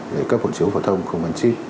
để cấp hộ chiếu phổ thông không gắn chip